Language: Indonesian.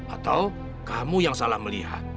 atau kamu yang salah melihat